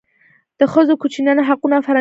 د ښځو او کوچنیانو حقوق او فرهنګي ارزښتونه.